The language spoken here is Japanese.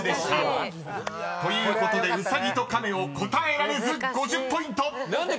［ということで「うさぎとかめ」を答えられず５０ポイント］